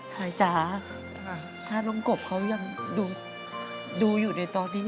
หายจ๋าถ้าน้องกบเขายังดูอยู่ในตอนนี้